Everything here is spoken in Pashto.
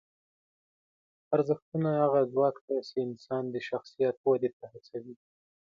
ارزښتونه هغه ځواک دی چې انسان د شخصیت ودې ته هڅوي.